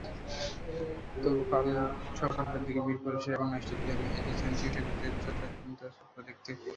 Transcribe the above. তবু কাল সকালের দিকে মিরপুর শেরেবাংলা স্টেডিয়ামে এসেছিলেন চিকিৎসকদের চোটাক্রান্ত হাত-পা দেখাতে।